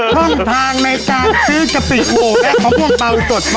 ฝั่งทางในสาปซื้อกะปิโว้แฮกมะม่วงเต็บ